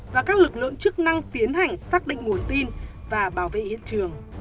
và các lực lượng chức năng tiến hành xác định nguồn tin và bảo vệ hiện trường